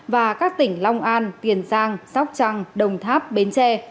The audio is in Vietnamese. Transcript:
và các tỉnh long an tiền giang sóc trăng đồng tháp bến tre